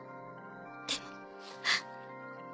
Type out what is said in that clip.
でも。